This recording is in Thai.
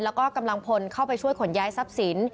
แล้วก็กำลังพลเข้าไปช่วยขนย้ายทรัพย์สิน